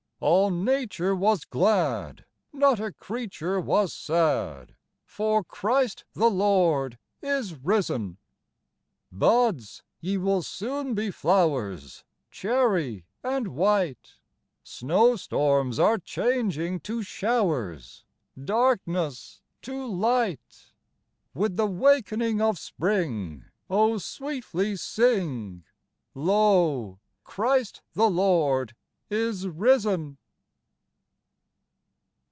All nature was glad, Not a creature was sad, For, Christ the Lord is risen ! Buds, ye will soon be flowers, Cherry and white ; Snow storms are changing to showers, Darkness to light. With the wakening of spring, Oh, sweetly sing, Lo, Christ the Lord is risen